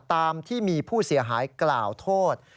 ตามที่มีผู้เสียหายกล่าวโทษ